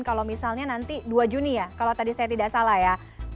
kalau misalnya nanti dua juni ya kalau tadi saya tidak salah ya